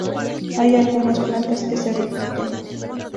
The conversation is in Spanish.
Hay algunas plantas que se repiten.